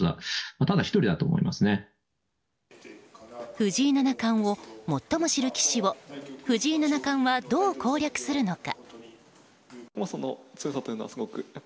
藤井七冠を最も知る棋士を藤井七冠は、どう攻略するのか。